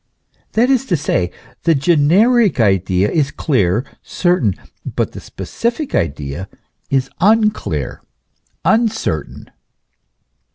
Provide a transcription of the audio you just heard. That is to say : the generic idea is clear, certain, but the specific idea is unclear, uncertain.